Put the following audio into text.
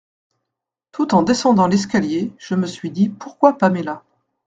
Tout en descendant l’escalier, je me suis dit Pourquoi Paméla…